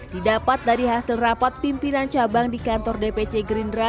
didapat dari hasil rapat pimpinan cabang di kantor dpc gerindra